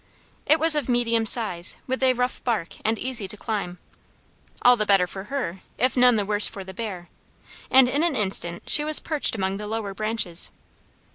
It was of medium size, with a rough bark and easy to climb. All the better for her, if none the worse for the bear, and in an instant she was perched among the lower branches.